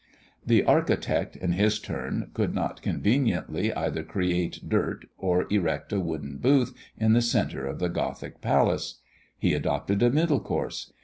The architect, in his turn, could not conveniently either create dirt, or erect a wooden booth in the centre of the Gothic palace. He adopted a middle course.